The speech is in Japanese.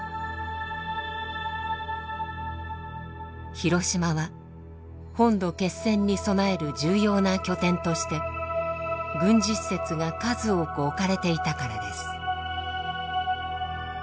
広島は本土決戦に備える重要な拠点として軍事施設が数多く置かれていたからです。